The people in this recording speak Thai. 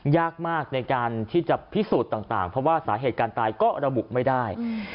ยากมากในการที่จะพิสูจน์ต่างเพราะว่าสาเหตุการณ์ตายก็ระบุไม่ได้